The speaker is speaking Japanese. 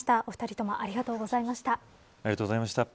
お二人ともありがとうございました。